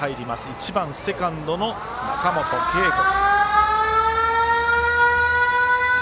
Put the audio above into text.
１番セカンドの中本佳吾。